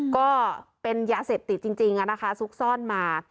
ก็เป็นยาเสพติดจริงนะคะซุกซ่อนมา